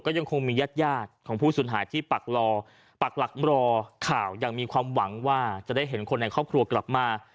ยังคงมีญาติยาดของผู้สูญหายที่ปักรอปักหลักรอข่าวยังมีความหวังว่าจะได้เห็นคนในครอบครัวกลับมา